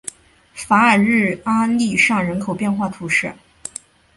法尔日阿利尚人口变化图示